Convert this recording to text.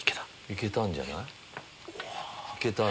行けたんじゃない？